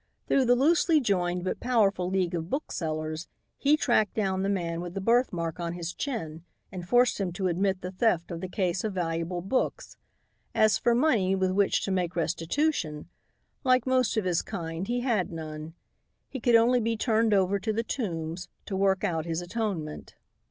Through the loosely joined but powerful league of book sellers he tracked down the man with the birthmark on his chin and forced him to admit the theft of the case of valuable books. As for money with which to make restitution, like most of his kind he had none. He could only be turned over to the "Tombs" to work out his atonement.